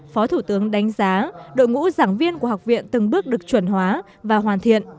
phó thủ tướng đánh giá đội ngũ giảng viên của học viện từng bước được chuẩn hóa và hoàn thiện